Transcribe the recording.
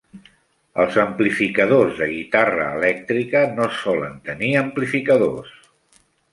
Els amplificadors de guitarra elèctrica no solen tenir amplificadors.